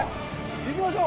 いきましょう。